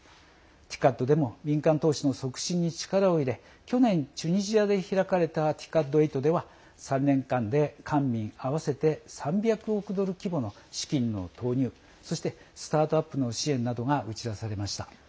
ＴＩＣＡＤでも民間投資の促進に力を入れ去年チュニジアで開かれたＴＩＣＡＤ８では、３年間で官民合わせて３００億ドル規模の資金の投入そしてスタートアップの支援などが打ち出されました。